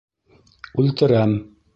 Үлтерәм.